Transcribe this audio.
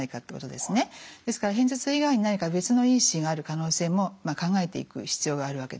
ですから片頭痛以外に何か別の因子がある可能性も考えていく必要があるわけです。